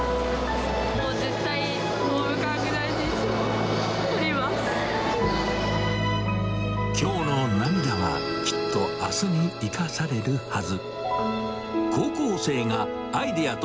もう絶対、きょうの涙はきっとあすに生かされるはず。